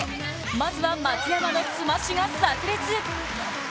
まずは松山のスマッシュがさく裂。